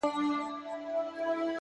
o گراني په تا باندي چا كوډي كړي،